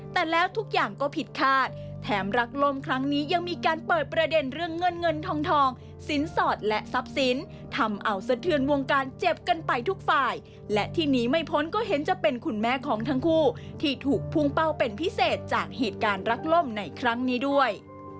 แต่แล้วทุกอย่างก็ผิดคาดแถมรักล่มครั้งนี้ยังมีการเปิดประเด็นเรื่องเงินเงินทองทองสินสอดและทรัพย์สินทำเอาสะเทือนวงการเจ็บกันไปทุกฝ่ายและที่หนีไม่พ้นก็เห็นจะเป็นคุณแม่ของทั้งคู่ที่ถูกพุ่งเป้าเป็นพิเศษจากเหตุการณ์รักล่มในครั้งนี้ด้วย